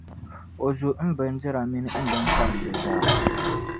o zu m bindira mini m binkparisi zaa.